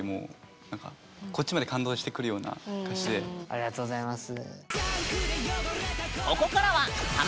ありがとうございます。